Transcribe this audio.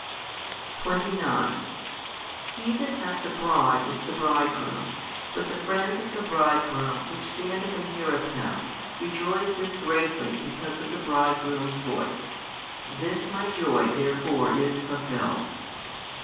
29 He That hath the bride is the Bridegroom: but the friend of the Bridegroom, which standeth and heareth Him, rejoiceth greatly because of the Bridegroom's voice; this my joy therefore is fulfilled.